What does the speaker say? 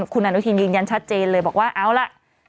คุณอนุทินยืนยันชัดเจนเลยบอกว่าเอาล่ะ